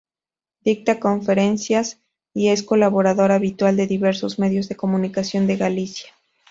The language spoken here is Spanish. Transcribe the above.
Dicta conferencias y es colaborador habitual de diversos medios de comunicación de Galicia.